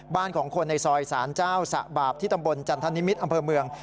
ของคนในซอยสารเจ้าสะบาปที่ตำบลจันทนิมิตรอำเภอเมือง